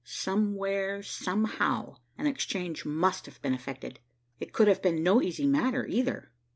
Somewhere, somehow, an exchange must have been effected. It could have been no easy matter, either.